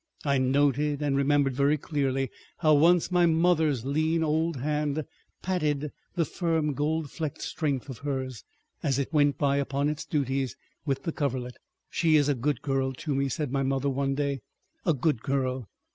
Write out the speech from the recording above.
I noted and remembered very clearly how once my mother's lean old hand patted the firm gold flecked strength of hers, as it went by upon its duties with the coverlet. "She is a good girl to me," said my mother one day. "A good girl.